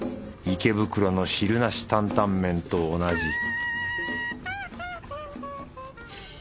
池袋の汁なし担々麺と同じ